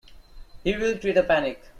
He will create a panic.